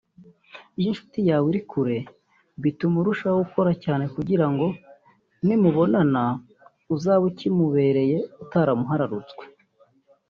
Iyo inshuti yawe iri kure bituma urushaho gukora cyane kugira ngo nimunabonana uzabe ukimubereye utaramuhararutswe